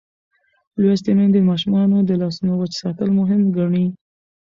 لوستې میندې د ماشومانو د لاسونو وچ ساتل مهم ګڼي.